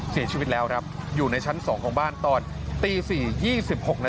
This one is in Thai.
เสียชีวิตแล้วครับอยู่ในชั้น๒ของบ้านตอนตี๔๒๖นาที